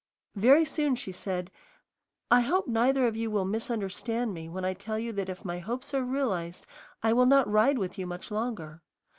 Very soon she said, "I hope neither of you will misunderstand me when I tell you that if my hopes are realized I will not ride with you much longer.